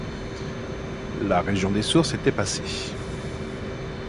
La région des sources était passée.